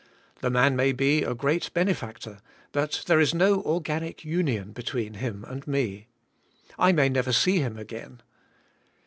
The man may be a great benefactor, but there is no organic union be tween him and me. I may nev^er see him again.